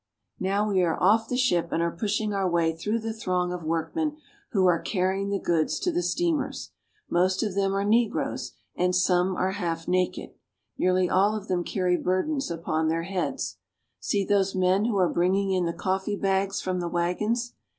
Now we are off the ship and are pushing our way through the throng of workmen who are carrying the goods to the steamers. Most of them are negroes, and some are half naked. Nearly all of them carry burdens upon their heads. See those men who are bringing in the coffee bags from the wagons.